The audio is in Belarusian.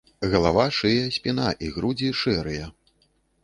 Галава, шыя, спіна і грудзі шэрыя.